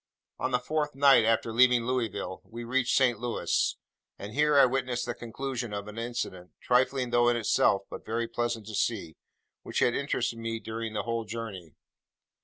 On the fourth night after leaving Louisville, we reached St. Louis, and here I witnessed the conclusion of an incident, trifling enough in itself, but very pleasant to see, which had interested me during the whole journey.